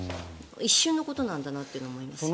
一瞬のことなんだなと思います。